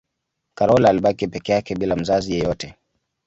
karol alibaki peke yake bila mzazi yeyote